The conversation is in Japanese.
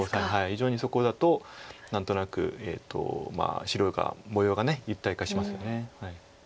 非常にそこだと何となく白が模様が立体化しますよね。